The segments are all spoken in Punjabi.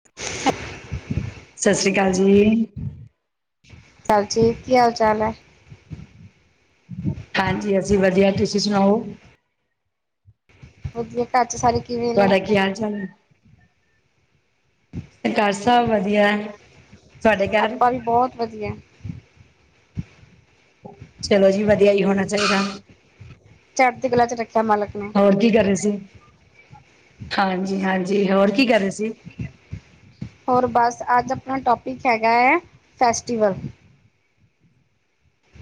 [inaudible] ਸਾਸ੍ਰੀ ਕਾਲ ਜੀ। ਹਾਂਜੀ, ਕੀ ਹਾਲ-ਚਾਲ ਐ? ਹਾਂਜੀ, ਅਸੀਂ ਵਧੀਆ। ਤੁਸੀਂ ਸੁਣਾਓ? ਵਦੀਆ, ਘਰ ਚ ਸਾਰੇ ਕਿਵੇਂ ਨੇ? ਤੁਹਾਡਾ ਕੀ ਹਾਲ ਚਾਲ ਨੇ? ਘਰ ਸਾਬ ਵਧੀਆ। ਤੁਹਾਡੇ ਘਰ ਆਪਾਂ ਵੀ ਬਹੁਤ ਵਧੀਆ। ਚਲੋ ਜੀ, ਵਧੀਆ ਹੀ ਹੋਣਾ ਚਾਹੀਦਾ। ਚੜਦੀ ਗਲਾ ਚ ਰੱਖਿਆ, ਮਾਲਕ ਨੇ। ਹੋਰ ਕੀ ਕਰ ਰਹੇ ਸੀ? ਹਾਂਜੀ -ਹਾਂਜੀ, ਹੋਰ ਕੀ ਕਰ ਰਹੇ ਸੀ? ਹੋਰ ਬਸ, ਅੱਜ ਆਪਣਾ ਟੋਪਿਕ ਹੈਗਾ ਹੈ, ਫੈਸਟੀਵਲ।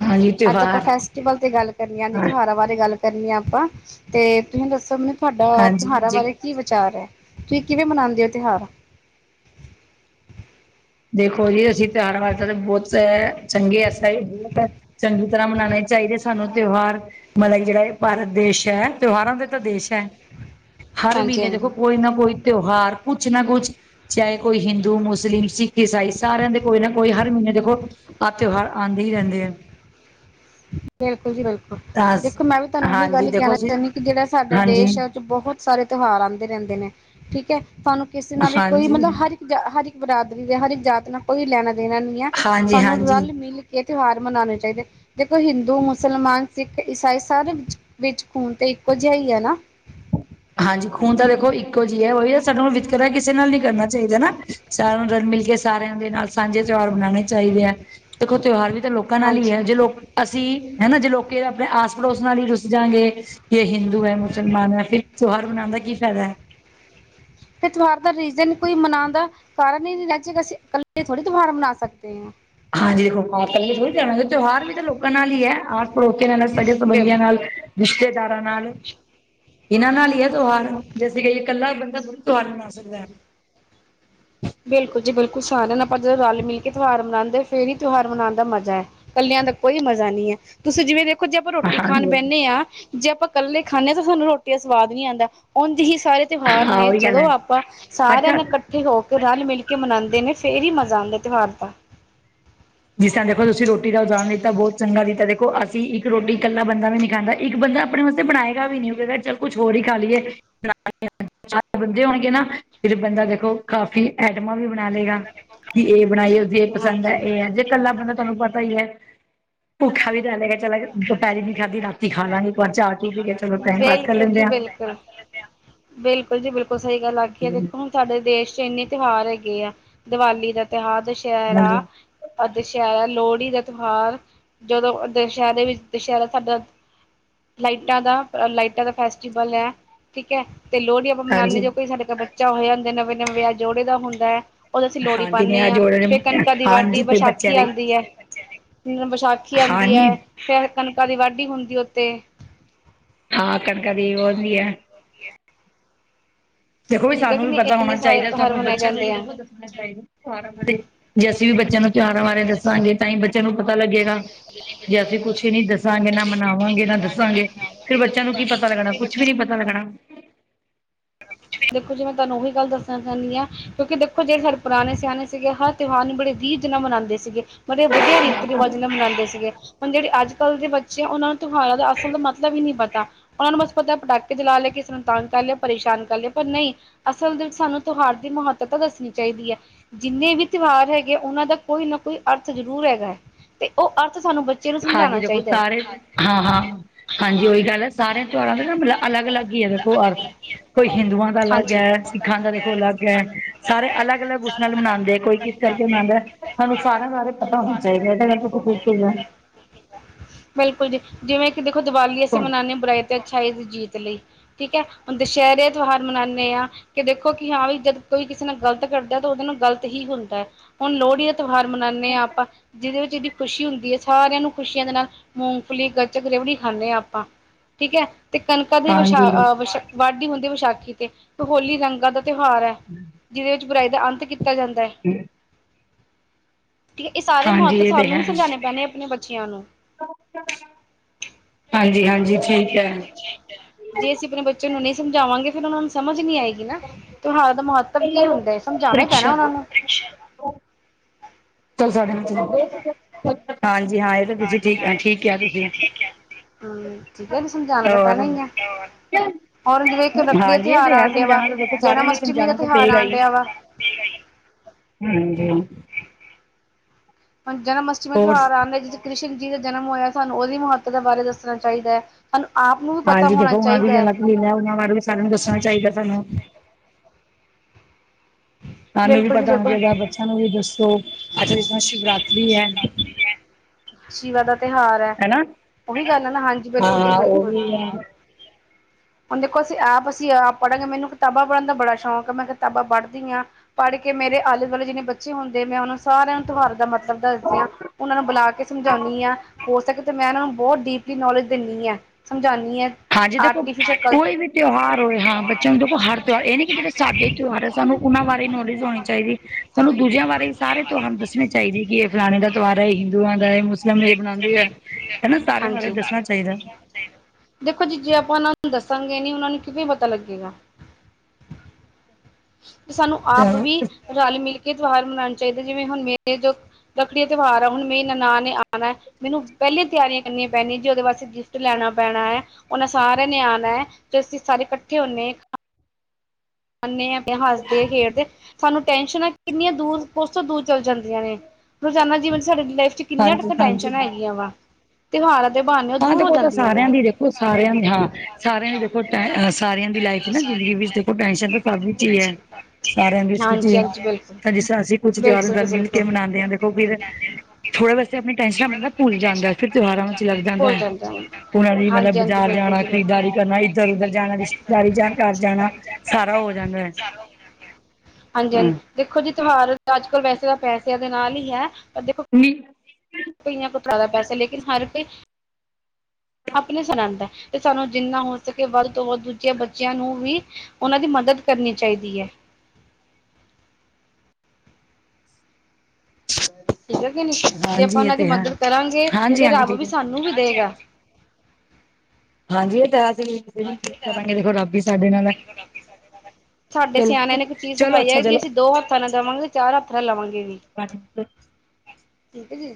ਹਾਂਜੀ। ਅੱਜ ਆਪਾਂ ਤਿਉਹਾਰ ਫੈਸਟੀਵਲ ਤੇ ਗੱਲ ਕਰਨੀ, ਹਾਂ ਤਿਉਹਾਰਾਂ ਬਾਰੇ ਗੱਲ ਕਰਨੀ, ਆ ਆਪਾਂ ਤੇ ਤੁਸੀਂ ਦੱਸੋ ਮੈਨੂੰ ਤੁਹਾਡਾ ਤਿਉਹਾਰਾਂ ਹਾਂਜੀ-ਹਾਂਜੀ ਬਾਰੇ ਕੀ ਵਿਚਾਰ ਹੈ? ਤੁਸੀਂ ਕਿਵੇਂ ਮਨਾਉਂਦੇ ਹੋ ਤਿਉਹਾਰ? ਦੇਖੋ ਜੀ, ਅਸੀਂ ਤਿਉਹਾਰ ਵਾਸਤੇ ਬਹੁਤ ਚੰਗੇ, [inaudible] ਜੀ ਬਹੁਤ ਚੰਗੀ ਤਰ੍ਹਾਂ ਮਨਾਉਣੇ ਚਾਹੀਦੇ, ਸਾਨੂੰ ਤਿਉਹਾਰ। ਮਤਲਬ ਕਿ, ਜਿਹੜਾ ਇਹ ਭਾਰਤ ਦੇਸ਼ ਹੈ, ਤਿਉਹਾਰਾਂ ਦੇ ਤਾਂ ਦੇਸ਼ ਹੈ। ਹਰ ਹਾਂਜੀ ਮਹੀਨੇ ਦੇਖੋ, ਹਾਂਜੀ ਕੋਈ ਨਾ ਕੋਈ ਤਿਉਹਾਰ, ਕੁਛ ਨਾ ਕੁਛ, ਚਾਹੇ ਕੋਈ ਹਿੰਦੂ ਮੁਸਲਿਮ ਸਿੱਖ ਸਾਈ ਸਾਰਿਆਂ ਦੇ ਕੋਈ ਨਾ ਕੋਈ, ਹਰ ਮਹੀਨੇ ਦੇਖੋ ਆਹ ਤਿਉਹਾਰ ਆਉਂਦੇ ਹੀ ਰਹਿੰਦੇ ਨ। ਬਿਲਕੁਲ ਜੀ ਬਿਲਕੁਲ, ਤਾਂ ਦੇਖੋ ਮੈਂ ਵੀ ਤੁਹਾਨੂੰ ਉਹੀ ਹਾਂਜੀ ਗੱਲ ਦੇਖੋ ਕਹਿਣਾ ਅਸੀਂ ਚਾਹੁੰਦੀ, ਕਿ ਜਿਹੜਾ ਸਾਡੇ ਹਾਂਜੀ ਦੇਸ਼ ਆ ਬਹੁਤ ਸਾਰੇ ਤਿਉਹਾਰ ਆਉਂਦੇ ਰਹਿੰਦੇ ਨੇ, ਠੀਕ ਹੈ, ਤੁਹਾਨੂੰ ਕਿਸੇ ਨਾਲ ਵੀ ਕੋਈ ਹਾਂਜੀ ਹਾਂਜੀ ਮਤਲਬ ਹਰ ਹਰ ਇੱਕ ਬਰਾਦਰੀ ਦੇ ਹਰ ਇੱਕ ਜਾਤ ਨਾਲ ਕੋਈ ਲੈਣਾ ਦੇਣਾ ਨੀ ਹੈ, ਹਾਂਜੀ ਸਾਨੂੰ ਹਾਂਜੀ ਰਲ ਮਿਲ ਇਹ ਤਿਉਹਾਰ ਮਨਾਉਣੇ ਚਾਹੀਦੇ ਦੇਖੋ ਹਿੰਦੂ ਮੁਸਲਮਾਨ ਸਿੱਖ ਈਸਾਈ, ਸਾਰੇ ਵਿੱਚ ਖੂਨ ਤੇ ਇੱਕੋ ਜਿਹਾ ਹੀ ਹੈ ਨਾ [inaudible] ਹਾਂਜੀ ਖੂਨ ਤਾਂ ਦੇਖੋ ਇੱਕੋ ਜੇਯਾ ਹੀ ਹੈ, ਉਹੀ ਹੈ ਸਾਡੇ ਵਿਤਕਰਾ ਕਿਸੇ ਨਾਲ ਨਹੀਂ ਕਰਨਾ ਚਾਹੀਦਾ ਨਾ ਸਾਰਿਆਂ ਨੂੰ ਰਲ ਮਿਲ ਕੇ ਸਾਰਿਆਂ ਦੇ ਨਾਲ ਸਾਂਝੇ ਤਿਉਹਾਰ ਮਨਾਉਣੇ ਚਾਹੀਦੇ ਐ, ਦੇਖੋ ਤਿਉਹਾਰ ਵੀ ਤਾਂ ਲੋਕ ਲੋਕਾਂ ਨਾਲ ਈ ਹਾਂਜੀ ਹੈ, ਜੇ ਲੋਕ ਅਸੀਂ ਹੈਨਾ ਜੇ ਲੋਕ ਆਪਣੇ ਆਸ ਪੜੋਸ ਨਾਲ ਹੀ ਰੁੱਸ ਜਾਂਗੇ ਕਿ ਇਹ ਹਿੰਦੂ ਹੈ ਮੁਸਲਮਾਨ ਹੈ ਫਿਰ ਤਿਓਹਾਰ ਮਨਾਣ ਦਾ ਕੀ ਫਾਇਦਾ ਐ ਤੇ ਤਿਉਹਾਰ ਦਾ ਰੀਜਨ ਕੋਈ ਮਨਾਉਣ ਦਾ ਕਾਰਨ ਹੀ ਨਹੀ, ਅਸੀਂ ਇਕ ਥੋੜ੍ਹੀ ਤਿਉਹਾਰ ਮਨਾ ਸਕਦੇ ਹ ਹਾਂਜੀ ਦੇਖੋ ਤਿਓਹਾਰ ਕੱਲੇ ਥੋੜੀ ਮਨਾਣਾ, ਤਿਉਹਾਰ ਵੀ ਤਾਂ ਲੋਕਾਂ ਨਾਲ ਹੀ ਹੈ ਆਸ ਪੜੋਸਿਆਂ ਨਾਲ ਸੱਗੇ ਬਿਲਕੁਲ ਸੰਬੰਧੀਆਂ ਨਾਲ ਰਿਸ਼ਤੇਦਾਰਾਂ ਨਾਲ ਇਹਨਾਂ ਨਾਲ ਹੀ ਹੈ ਤਿਓਹਾਰ, ਵੈਸੇ ਏ ਇਕੱਲਾ ਬੰਦਾ ਥੋੜ੍ਹੀ ਤਿਓਹਾਰ ਮਨਾ ਸਕਦਾ ਬਿਲਕੁਲ ਜੀ ਬਿਲਕੁਲ ਸਾਰਿਆਂ ਨੂੰ ਆਪਾਂ ਜਦੋਂ ਰਲ ਮਿਲ ਕੇ ਤਿਉਹਾਰ ਮਨਾਉਦੇ, ਫੇਰ ਹੀ ਤਿਉਹਾਰ ਮਨਾਉਣ ਦਾ ਮਜ਼ਾ ਹੈ ਕੱਲਿਆਂ ਦਾ ਕੋਈ ਮਜ਼ਾ ਨਹੀਂ ਹੈ, ਤੁਸੀਂ ਜਿਵੇਂ ਦੇਖੋ ਜੇ ਆਪਾਂ ਰੋਟੀ ਖਾਣ ਹਾਂਜੀ ਬਹਿੰਦੇ ਹਾਂ ਜੇ ਆਪਾਂ ਇਕੱਲੇ ਖਾਂਦੇ ਆਂ, ਤਾਂ ਸਾਨੂੰ ਰੋਟੀ ਦਾ ਸਵਾਦ ਨੀ ਆਉਂਦਾ, ਔਂਜ਼ ਹੀ ਸਾਰੇ ਤਿਉਹਾਰ ਹਾਂ ਨੇ ਉਹੀ ਗੱਲ ਜਦੋਂ ਹੈ ਆਪਾਂ ਸਾਰਿਆਂ ਅੱਛਾ ਨਾਲ ਇਕੱਠੇ ਹੋ ਕੇ ਰਲ ਮਿਲ ਕੇ ਮਨਾਉਂਦੇ ਨੇ ਫੇਰ ਹੀ ਮਜ਼ਾ ਆਉਂਦਾ ਤਿਉਹਾਰ ਦਾ ਜਿਸ ਤਰ੍ਹਾਂ ਦੇਖੋ ਤੁਸੀਂ ਰੋਟੀ ਦਾ ਉਦਾਹਰਣ ਦਿੱਤਾ ਬਹੁਤ ਚੰਗਾ ਦਿੱਤਾ, ਦੇਖੋ ਅਸੀਂ ਇੱਕ ਰੋਟੀ ਇਕੱਲਾ ਬੰਦਾ ਵੀ ਨਹੀਂ ਖਾਂਦਾ। ਇੱਕ ਬੰਦਾ ਆਪਣੇ ਵਾਸਤੇ ਬਣਾਏਗਾ ਵੀ ਨਹੀਂ, ਔ ਕਹਿੰਦਾ ਚੱਲ ਕੁਛ ਹੋਰ ਹੀ ਖਾ ਲਈਏ ਚਾਰ ਬੰਦੇ ਹੋਣਗੇ ਨਾ ਫਿਰ ਬੰਦਾ ਦੇਖੋ ਕਾਫ਼ੀ ਆਈਟਮਾਂ ਵੀ ਬਣਾ ਲਏਗਾ, ਕਿ ਇਹ ਬਣਾਈਏਦੀ ਇਹ ਪਸੰਦ ਹੈ ਹਾਂਜੀ ਇਹ ਹੈ, ਜੇ ਇਕੱਲਾ ਬੰਦਾ ਤੁਹਾਨੂੰ ਪਤਾ ਹੀ ਹੈ ਭੁੱਖਾ ਵੀ ਰਹਿ ਲੇਗਾ ਚਲਾ ਪੈਰੀ ਨੀ ਖਾਧੀ, ਰਾਤੀ ਖਾ ਲਾਂਗੇ ਇੱਕ ਵਾਰ ਚਾਹ ਚੂ ਪੀ ਕੇ ਚਲੋ ਟਾਈਮ ਪਾਸ ਕਰ ਲੈਂਦੇ ਆ ਹੱ [inaudible] ਬਿਲਕੁਲ ਜੀ ਬਿਲਕੁਲ ਸਹੀ ਗੱਲ ਆਖੀ ਏ ਦੇਖੋ ਸਾਡੇ ਦੇਸ਼ ਚ ਇੰਨੇ ਤਿਉਹਾਰ ਹੈਗੇ ਆ ਦੀਵਾਲੀ ਦਾ ਤਿਉਹਾਰ ਹਾਂਜੀ ਦੁਸਹਿਰਾ ਦੁਸਹਿਰਾ ਲੋਹੜੀ ਦਾ ਤਿਉਹਾਰ ਜਦੋਂ ਦੁਸਹਿਰੇ ਵਿੱਚ ਦੁਸਹਿਰਾ ਸਾਡਾ ਲਾਈਟਾਂ ਦਾ ਲਾਈਟਾਂ ਦਾ ਫੈਸਟੀਵਲ ਹੈ ਠੀਕ ਹੈ ਤੇ ਲੋਹੜੀ ਮਨਾਉਂਦੇ ਜੋ ਹਾਂਜੀ ਕੋਈ ਸਾਡੇ ਕੋਲ ਬੱਚਾ ਹੋਇ, ਜਾ ਨਵੇਂ ਨਵੇਂ ਵਿਆਹੇ ਜੋੜੇ ਦਾ ਹੁੰਦਾ ਹ। ਉਹਦੋਂ ਅਸੀਂ ਲੋਹੜੀ ਹਾਂਜੀ ਨੇ ਪਾਉਂਦੇ ਆ ਆਂ, ਜੋੜੇ ਫਿਰ ਕਣਕਾਂ ਦੀ ਵਾਢੀ ਹਾਂਜੀ ਕੋਈ ਬੱਚਿਆਂ ਵਿਸਾਖੀ ਦੇ ਆਉਂਦੀ ਹੈ ਵਿਸਾਖੀ ਆਉਂਦੀ ਹਾਂਜੀ ਹੈ ਫਿਰ ਕਣਕਾਂ ਦੀ ਵਾਢੀ ਹੁੰਦੀ ਉੱਥੇ ਹਾਂ ਕਣਕਾਂ ਦੀ ਉਹਦੀ ਹੈ ਦੇਖੋ ਵੀ ਠੀਕ ਹੈ ਕਿ ਸਾਨੂੰ ਵੀ ਨਹੀਂ ਪਤਾ ਇੰਨੇ ਹੋਣਾ ਸਾਰੇ ਚਾਹੀਦਾ ਤਿਉਹਾਰ ਸਾਨੂੰ ਮਨਾਏ ਬੱਚਿਆਂ ਨੂੰ ਜਾਂਦੇ ਵੀ ਆ ਦੇਖੋ ਦੱਸਣਾ ਚਾਹੀਦਾ ਤਿਓਹਾਰਾਂ ਬਾਰੇ ਜੇ ਅਸੀਂ ਵੀ ਬੱਚਿਆਂ ਨੂੰ ਤਿਉਹਾਰਾਂ ਬਾਰੇ ਦੱਸਾਂਗੇ ਤਾਂ ਹੀ ਬੱਚਿਆਂ ਨੂੰ ਪਤਾ ਲੱਗੇਗਾ, ਜੇ ਅਸੀਂ ਕੁਛ ਹੀ ਨੀ ਦੱਸ ਦੱਸਾਂਗੇ ਨਾ ਮਨਾਵਾਂਗੇ ਨਾ ਦੱਸਾਂਗੇ ਫਿਰ ਬੱਚਿਆਂ ਨੂੰ ਕੀ ਪਤਾ ਲੱਗਣਾ ਕੁਛ ਵੀ ਨੀ ਪਤਾ ਲੱਗਣਾ। ਦੇਖੋ ਜੀ ਮੈਂ ਤੁਹਾਨੂੰ ਉਹੀ ਗੱਲ ਦੱਸਣਾ ਚਾਹੁੰਦੀ ਹਾਂ। ਕਿਉਂਕਿ ਦੇਖੋ ਜਿਹੜੇ ਸਾਡੇ ਪੁਰਾਣੇ ਸਿਆਣੇ ਸੀਗੇ ਹਰ ਤਿਉਹਾਰ ਨੂੰ ਬੜੇ ਰੀਝਜ ਨਾਲ ਮਨਾਉਂਦੇ ਸੀਗੇ। ਬੜੇ ਵਧੀਆ ਰੀਤੀ ਰਿਵਾਜ ਨਾਲ ਮਨਾਉਂਦੇ ਸੀਗੇ। ਹੁਣ ਜਿਹੜੇ ਅੱਜ ਕੱਲ੍ਹ ਦੇ ਬੱਚੇ ਆ ਉਹਨਾਂ ਨੂੰ ਤਿਉਹਾਰਾਂ ਦਾ ਅਸਲ ਦਾ ਮਤਲਬ ਹੀ ਨਹੀਂ ਪਤਾ। ਉਹਨਾਂ ਨੂੰ ਬਸ ਪਤਾ ਪਟਾਕੇ ਜਲਾ ਲਏ, ਕਿਸੇ ਨੂੰ ਤੰਗ ਕਰ ਲਿਆ ਪਰੇਸ਼ਾਨ ਕਰ ਲਿਆ। ਪਰ ਨਹੀਂ, ਅਸਲ ਦੇ ਸਾਨੂੰ ਤਿਉਹਾਰ ਦੀ ਮਹੱਤਤਾ ਤਾਂ ਦੱਸਣੀ ਚਾਹੀਦੀ ਹੈ। ਜਿੰਨੇ ਵੀ ਤਿਉਹਾਰ ਹੈਗੇ ਆ ਉਹਨਾਂ ਦਾ ਕੋਈ ਨਾ ਕੋਈ ਅਰਥ ਜ਼ਰੂਰ ਹੈਗਾ ਹੈ, ਤੇ ਉਹ ਅਰਥ ਸਾਨੂੰ ਬ ਹਾਂਜੀ ਦੇਖੋ ਸਾਰੇ ਹਾਂ, ਹਾਂ। ਹਾਂਜੀ ਉਹੀ ਗੱਲ ਹੈ, ਸਾਰਿਆਂ ਤਿਉਹਾਰਾਂ ਦੇ ਨਾ ਮਤਲਬ ਅਲੱਗ ਅਲੱਗ ਹੀ ਹੈ ਦੇਖੋ ਅਰਥ, ਕੋਈ ਹਿੰਦੂਆਂ ਦਾ ਅਲੱਗ ਹਾਂਜੀ। ਹੈ ਸਿੱਖਾਂ ਦਾ ਦੇਖੋ ਅਲੱਗ ਹੈ। ਸਾਰੇ ਅਲੱਗ, ਅਲੱਗ ਉਸ ਨਾਲ ਮਨਾਉਂਦੇ ਕੋਈ ਕਿਸ ਕਰਕੇ ਮਨਾਉਂਦਾ। ਸਾਨੂੰ ਸਾਰਿਆਂ ਬਾਰੇ ਪਤਾ ਹੋਣਾ ਚਾਹੀਦਾ ਇਹ ਕਿਥੇ ਕੀ ਹੈ। ਬਿਲਕੁਲ ਜੀ ਜਿਵੇਂ ਕਿ ਦੇਖੋ ਦੀਵਾਲੀ ਅਸੀਂ ਮਨਾਉਦੇ ਹ ਬੁਰਾਈ ਅੱਛਾਈ ਜੀਤ ਲਈ ਠੀਕ ਹੈ ਹੁਣ ਦੁਸਹਿਰੇ ਤੁਹਾਰ ਮਨਾਉਂਦੇ ਹਾਂ ਕਿ ਦੇਖੋ ਕਿ ਹਾਂ ਵੀ ਜਦ ਕੋਈ ਕਿਸੇ ਨਾਲ ਗ਼ਲਤ ਕਰਦਾ ਤਾਂ ਉਹਦੇ ਨੂੰ ਗ਼ਲਤ ਹੀ ਹੁੰਦਾ। ਹੁਣ ਲੋਹੜੀ ਦਾ ਤਿਉਹਾਰ ਮਨਾਉਂਦੇ ਹਾਂ ਆਪਾਂ ਜਿਹਦੇ ਵਿੱਚ ਇਹਦੀ ਖੁਸ਼ੀ ਹੁੰਦੀ ਹੈ ਸਾਰਿਆਂ ਨੂੰ ਖੁਸ਼ੀਆਂ ਦੇ ਨਾਲ ਮੂੰਗਫਲੀ ਗੱਚਕ ਰੇਵੜੀ ਖਾਂਦੇ ਹਾਂ ਆਪਾਂ ਠੀਕ ਐ। ਤੇ ਕਣਕਾਂ ਦੀ ਵਿਸ਼ਾਹ ਹਾਂਜੀ ਵਿਸ਼ਾ ਵਾਢੀ ਹੁੰਦੀ ਵਿਸਾਖੀ ਤੇ ਹੋਲੀ ਰੰਗਾਂ ਦਾ ਤਿਉਹਾਰ ਹੈ। ਜਿਹਦੇ ਵਿੱਚ ਬੁਰਾਈ ਦਾ ਅੰਤ ਕੀਤਾ ਜਾਂਦਾ ਐ। ਤੇ ਠੀਕ ਹੈ ਇਹ ਸਾਰੇ ਹਾਂਜੀ ਮਹੱਤਵ ਇਹ ਤੇ ਸਾਨੂੰ ਈ ਹੈ ਸਮਝਾਉਣੇ ਪੈਣੇ ਆਪਣੇ ਬੱਚਿਆਂ ਨੂੰ। ਹਾਂਜੀ, ਹਾਂਜੀ। ਠੀਕ ਹੈ ਜੇ ਅਸੀਂ ਆਪਣੇ ਬੱਚੇ ਨੂੰ ਨਹੀਂ ਸਮਝਾਵਾਂਗੇ ਫੇਰ ਉਹਨਾ ਨੂੰ ਸਮਝ ਨੀ ਆਏਗੀ ਨਾ ਤਿਉਹਾਰ ਦਾ ਮਹੱਤਵ ਕੀ ਹੁੰਦਾ ਹੈ ਸਮਝਾਉਣਾ ਈ ਪੈਣਾ ਪ੍ਰੀਕਸ਼ਾ ਉਹਨਾਂ ਨੂੰ। ਚਲ ਸਾਡੇ ਹਾਂਜੀ ਹਾਂ ਇਹ ਤਾਂ ਤੁਸੀਂ ਠੀਕ, ਠੀਕ ਕਿਹਾ ਤੁਸੀਂ। ਹੂੰ ਠੀਕ ਐ ਸਮਝਾਣਾ ਤਾਂ ਹੋਰ ਪੈਣਾ ਈ ਆ। ਹਰ ਜਿਹਵੇਂ ਕਿ ਰੱਖੜੀ ਦਾ ਹਾਂਜੀ ਇਹ ਤਿਉਹਾਰ ਤੇ ਹੈ ਆਉਣ ਡਿਆ ਵਾ ਸਮਝਾਣਾ ਤਾਂ ਦੇਖੋ ਸਾਰਿਆਂ ਜਨਮ ਨੂੰ ਅਸ਼ਟਮੀ ਦਾ ਸਮਝਾਣਾ ਤਾਂ ਤਿਉਹਾਰ ਪਏਗਾ ਆਨ ਹੀ ਡਿਆ ਵਾ। ਹਾਂਜੀ। ਹੁਣ ਜਨਮ ਅਸ਼ਟਮੀ ਦਾ ਹੋਰ ਤਿਉਹਾਰ ਆਂਦਾ ਜਿੱਥੇ ਕ੍ਰਿਸ਼ਨ ਜੀ ਦਾ ਜਨਮ ਹੋਇਆ ਸਾਨੂੰ ਉਹਦੀ ਮੱਹਤਤਾ ਬਾਰੇ ਦੱਸਣਾ ਚਾਹੀਦਾ ਐ। ਹੁਣ ਆਪ ਨੂੰ ਹਾਂਜੀ ਦੇਖੋ ਉਹਨਾਂ ਦੀ [unintelligible] ਹੈ ਉਹਨਾਂ ਬਾਰੇ ਵੀ ਸਾਰਿਆਂ ਨੂੰ ਦੱਸਣਾ ਚਾਹੀਦਾ ਸਾਨੂੰ। ਸਾਨੂੰ ਵੀ ਬਿਲਕੁਲ ਜੀ ਪਤਾ ਹੋਣਾ ਬਿਲਕੁਲ। ਚਾਹੀਦਾ ਬੱਚਿਆਂ ਨੂੰ ਵੀ ਦੱਸੋ। ਅੱਜ ਸ਼ਿਵਰਾਤਰੀ ਐ। ਸ਼ਿਵਾ ਦਾ ਤਿਉਹਾਰ ਹੈ ਹਨਾ ਉਹੀ ਗੱਲ ਹੈ ਨਾ ਹਾਂਜੀ ਬਿਲਕੁਲ ਜੀ ਹਾਂ ਉਹ ਬਿਲਕੁਲ। ਵੀ ਹੈ ਹੁਣ ਦੇਖੋ ਅਸੀਂ ਆਪ ਅਸੀਂ ਆਪ ਪੜਾਂਗੇ ਮੈਨੂੰ ਕਿਤਾਬਾਂ ਪੜ੍ਹਨ ਦਾ ਬੜਾ ਸ਼ੌਂਕ ਐ ਮੈਂ ਕਿਤਾਬਾਂ ਪੜ੍ਹਦੀ ਆਂ। ਪੜ੍ਹ ਕੇ ਮੇਰੇ ਆਲੇ ਦੁਆਲੇ ਜਿਹਨੇ ਬੱਚੇ ਹੁੰਦੇ ਮੈਂ ਉਹਨੂੰ ਸਾਰਿਆਂ ਨੂੰ ਤਿਉਹਾਰ ਦਾ ਮਤਲਬ ਦੱਸਦੀ ਆਂ। ਉਹਨਾਂ ਨੂੰ ਬੁਲਾ ਕੇ ਸਮਝਾਉਂਦੀ ਆਂ ਹੋ ਸਕੇ ਤੇ ਮੈਂ ਇਹਨਾਂ ਨੂੰ ਬਹੁਤ ਡੀਪ ਦੀ ਨੌਲੇਜ ਦਿੰਦੀ ਆਂ ਸਮਝਾਂਦੀ ਆਂ। ਹਾਂਜੀੇ ਦੇਖੋ ਕੋਈ ਵੀ ਤਿਉਹਾਰ ਹੋਏ ਹਾਂ ਬੱਚਿਆਂ ਨੂੰ ਦੇਖੋ ਹਰ ਤਿਉਹਾਰ ਇਹ ਨੀ ਕਿ ਜਿਹੜੇ ਸਾਡੇ ਤਿਉਹਾਰ ਸਾਨੂੰ ਉਹਨਾਂ ਬਾਰੇ ਨੋਲਿਸ ਹੋਣੀ ਚਾਹੀਦੀ, ਸਾਨੂੰ ਦੂਜਿਆਂ ਬਾਰੇ ਸਾਰੇ ਤੁਹਾਨੂੰ ਦੱਸਣੇ ਚਾਹੀਦੇ ਕਿ ਫਲਾਣੇ ਦਾ ਚਾਹੀਦੀ ਤਿਉਹਾਰ ਹੈ ਇਹ ਹਿੰਦੂਆਂ ਦਾ ਮੁਸਲਿਮ ਇਹ ਬਣਾਉਂਦੇ ਆ ਹੈ। ਹਨਾ ਸਾਰਿਆਂ ਬਾਰੇ ਹਾਂਜੀ ਦੱਸਣਾ ਚਾਹੀਦਾ। ਦੇਖੋ ਜੀ ਜੇ ਆਪਾਂ ਉਹਨਾਂ ਨੂੰ ਦੱਸਾਂਗੇ ਨੀ ਉਹਨਾਂ ਨੂੰ ਕਿਵੇਂ ਪਤਾ ਲੱਗੇਗਾ। ਤੇ ਸਾਨੂੰ ਆਪ ਵੀ ਰਲ ਮਿਲ ਕੇ ਤਿਉਹਾਰ ਮਨਾਉਣਾ ਚਾਹੀਦਾ ਜਿਵੇਂ ਹੁਣ ਮੇਰੇ ਜੋ ਰਖੜੀ ਦਾ ਤਿਉਹਾਰ ਆ ਹੁਣ ਮੇਰੀ ਨਨਾਨ ਨੇ ਮੈਨੂੰ ਪਹਿਲੀ ਤਿਆਰੀਆਂ ਕਰਨੀਆਂ ਪੈਣੀਆਂ ਜੀ ਉਹਦੇ ਵਾਸਤੇ ਗਿਫਟ ਲੈਣਾ ਪੈਣਾ ਐ। ਉਹਨਾਂ ਸਾਰਿਆਂ ਨੇ ਆਣਾ ਹੈ ਤੇ ਅਸੀਂ ਸਾਰੇ ਇਕੱਠੇ ਹੁੰਦੇ, ਆਹਨੇ ਆਪ ਹੱਸਦੇ ਖੇਡਦੇ ਸਾਨੂੰ ਟੈਨਸ਼ਨਾਂ ਕਿੰਨੀਆਂ ਦੂਰ ਉਸ ਤੋਂ ਦੂਰ ਚੱਲ ਜਾਂਦੀਆਂ ਨੇ ਰੋਜ਼ਾਨਾ ਜੀਵਨ ਚ ਸਾਡੀ ਲਾਈਫ ਚ ਕਿੰਨੀਆਂ ਤੱਕ ਹਾਂਜੀ ਹਾਂਜੀ ਟੈਨਸ਼ਨਾ ਹੈਗੀਆਂ ਵਾ। ਤਿਉਹਾਰਾਂ ਤੇ ਬਹਾਨੇ ਉਹ ਤਾਂ ਦੂਰ ਹੋ ਹਾਦੇਖੋ ਤਾਂ ਜਾਂਦੀਆਂ ਨੇ ਸਾਰਿਆਂ ਦੀ ਦੇਖੋ ਸਾਰਿਆਂ ਦੀ ਹਾਂ ਸਾਰਿਆਂ ਦੀ ਦੇਖੋ ਸਾਰਿਆਂ ਦੀ ਲਾਈਫ ਚ ਨਾ ਜ਼ਿੰਦਗੀ ਵਿੱਚ ਦੇਖੋ। ਟੈਨਸ਼ਨ ਤਾਂ ਸਭ ਵਿਚ ਈ ਐ ਸਾਰਿਆਂ ਦੇ ਸੀ ਜ ਹਾਂਜੀ ਹਾਂਜੀ ਤਾਂ ਬਿਲਕੁਲ ਜਿਸ ਅਸੀਂ ਕੁਝ ਤਿਉਹਾਰਾਂ ਬਿਲਕੁਲ ਨਾਲ ਜੀ ਮਿਲ ਬਿਲਕੁਲ ਕੇ ਮਨਾਉਂਦੇ ਹਾਂ ਦੇਖੋ ਫਿਰ ਥੋੜੇ ਵਾਸਤੇ ਆਪਣੀ ਟੈਂਨਸ਼ਨਾਂ ਬੰਦਾ ਭੁੱਲ ਜਾਂਦਾ ਫਿਰ ਤਿਉਹਾਰਾਂ ਵਿੱਚ ਲਗਦਾ ਭੁੱਲ ਜਾਂਦਾ ਵਾ। ਉਹਨਾਂ ਦੀ ਮਤਲਬ ਹਾਂਜੀ ਹਾਂਜੀ ਬਾਜ਼ਾਰ ਬਿਲਕੁਲ ਜਾਣਾ ਜੀ ਬਿਲਕੁਲ ਖਰੀਦਦਾਰੀ ਕਰਨਾ ਇੱਧਰ ਉਧਰ ਜਾਣਾ ਰਿਸ਼ਤੇਦਾਰੀ ਜਾਣ ਘਰ ਜਾਣਾ ਹਾਂਜੀ ਸਾਰਾ ਹੋ ਜਾਂਦਾ ਐ ਹਾਂਜੀ ਹੂੰ ਦੇਖੋ ਜੀ ਤਿਹਾਰ ਅੱਜ-ਕੱਲ ਵੈਸੇ ਤਾਂ ਪੈਸਿਆਂ ਦੇ ਨਾਲ ਹੀ ਐ ਪਰ ਦੇਖੋ ਵੀ ਕਈਆ ਤੋ ਫੇਦਾ ਪੈਸਾ ਲੇਕੇ ਹਰ ਕੋਈ ਆਪਣੇ ਸਰਨੰਦ ਐ ਤੇ ਸਾਨੂੰ ਜਿੰਨਾ ਹੋ ਸਕੇ ਵੱਧ ਤੋਂ ਵੱਧ ਦੂਜਿਆਂ ਬੱਚਿਆਂ ਨੂੰ ਵੀ ਉਹਨਾਂ ਦੀ ਮਦਦ ਕਰਨੀ ਚਾਹੀਦੀ ਐ। [unintelligible] ਠੀਕ ਐ ਕਿ ਨੀ ਜੇ ਆਪਾਂ ਹਾਂਜੀ ਇਹ ਉਹਨਾਂ ਦੀ ਤੇ ਹੈ। ਮਦਦ ਕਰਾਂਗੇ ਹਾਂਜੀ ਤੇ ਹਾਂਜੀ ਰੱਬ ਠੀਕ ਵੀ ਹੈ ਸਾਨੂੰ ਵੀ ਦੇਗਾ ਹਾਂਜੀ ਇਹ ਤਾਂ ਅਸੀਂ ਕਰਾਂਗੇ ਦੇਖੋ ਰੱਬ ਹੀ ਸਾਡੇ ਨਾਲ ਐ ਸਾਡੇ ਸਿਆਣਿਆਂ ਨੇ ਇੱਕ ਚੀਜ਼ ਸਿਖਾਈ ਐ ਜੀ ਚਲੋ ਅਸੀਂ ਦੋ ਹੱਥਾਂ ਨਾਲ ਦੇਵਾਂਗੇ ਚਾਰ ਹੱਥ ਨਾਲ ਲਵਾਂਗੇ ਵੀ। [inaudible] ਠੀਕ ਐ ਜੀ।